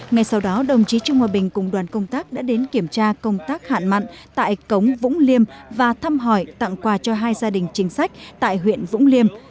ngay sau đó đồng chí trương hòa bình cùng đoàn công tác đã đến kiểm tra công tác hạn mặn tại cống vũng liêm và thăm hỏi tặng quà cho hai gia đình chính sách tại huyện vũng liêm